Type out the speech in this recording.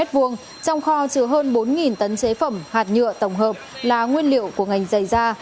trong kho chứa hơn bốn tấn chế phẩm hạt nhựa tổng hợp là nguyên liệu của ngành dày da